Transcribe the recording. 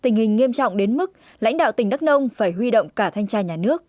tình hình nghiêm trọng đến mức lãnh đạo tỉnh đắk nông phải huy động cả thanh tra nhà nước